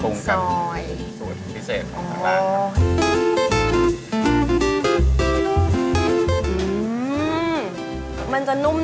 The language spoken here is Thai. ทรุงกับสูตรพิเศษของร้านครับ